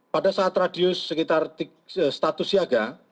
pada saat radius sekitar status siaga